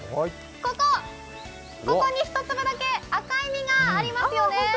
ここに１粒だけ赤い実がありますよね。